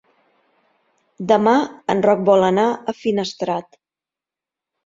Demà en Roc vol anar a Finestrat.